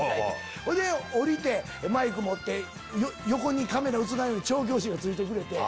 ほいで降りてマイク持って横にカメラ映らんように調教師がついてくれて。